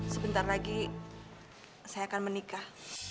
sebentar lagi saya akan menikah